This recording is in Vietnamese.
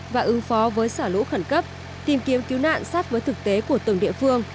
và ứng phó với xả lũ khẩn cấp tìm kiếm cứu nạn sắp với thực tế của từng địa phương